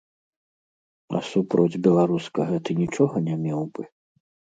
А супроць беларускага ты нічога не меў бы?!